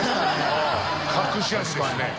うん隠し味ですね。